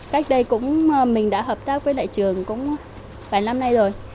cách đây cũng mình đã hợp tác với lại trường cũng vài năm nay rồi